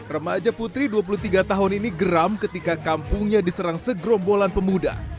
remaja putri dua puluh tiga tahun ini geram ketika kampungnya diserang segerombolan pemuda